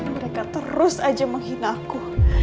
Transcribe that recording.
mereka terus aja menghina aku